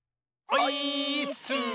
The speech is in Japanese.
オイーッス！